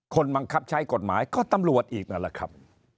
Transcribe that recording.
บังคับใช้กฎหมายก็ตำรวจอีกนั่นแหละครับ